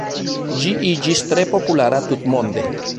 Ĝi iĝis tre populara tutmonde.